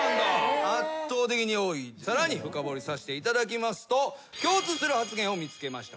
さらに深掘りさせていただきますと共通する発言を見つけました。